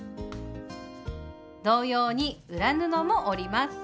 同様に裏布も折ります。